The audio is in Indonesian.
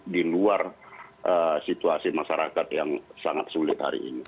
di luar situasi masyarakat yang sangat sulit hari ini